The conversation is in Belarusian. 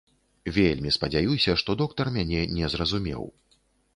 Вельмі спадзяюся, што доктар мяне не зразумеў.